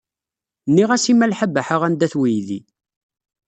Nniɣ-as i Malḥa Baḥa anda-t weydi.